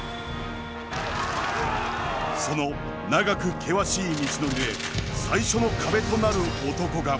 その長く険しい道のりで最初の壁となる男が。